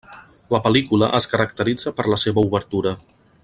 La pel·lícula es caracteritza per la seva obertura.